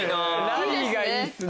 ラリーがいいっすね！